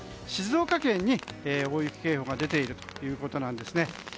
静岡県に大雪警報が出ているということなんです。